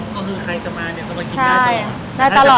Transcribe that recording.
ก็คือใครจะมาเนี่ยก็ต้องกินได้ตลอด